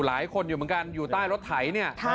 หลายคนอยู่เหมือนกันอยู่ใต้รถไถเนี่ย